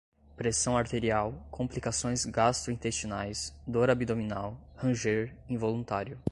pressão arterial, complicações gastrointestinais, dor abdominal, ranger, involuntário